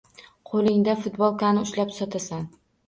Qoʻlingda futbolkani ushlab sotasan.